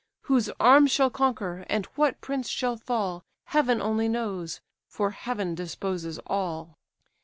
Whose arms shall conquer and what prince shall fall, Heaven only knows; for heaven disposes all."